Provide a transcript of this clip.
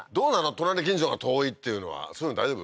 隣近所が遠いっていうのはそういうの大丈夫？